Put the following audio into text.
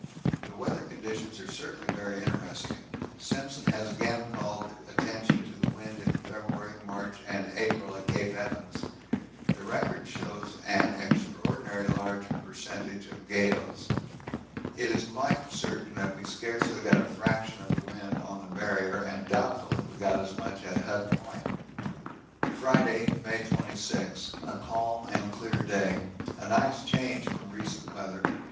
The weather conditions are certainly very interesting; Simpson has again called attention to the wind in February, March, and April at Cape Evans the record shows an extraordinary large percentage of gales. It is quite certain that we scarcely got a fraction of the wind on the Barrier and doubtful if we got as much at Hut Point. Friday, May 26. A calm and clear day a nice change from recent weather.